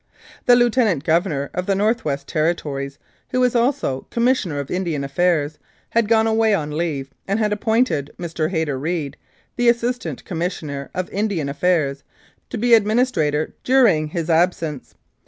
The Lieutenant Governor of the North West Territories, who was also Commissioner of Indian Affairs, had gone away on leave and had appointed Mr. Hayter Reed, the Assistant Commissioner of Indian Affairs, to be administrator during his absence.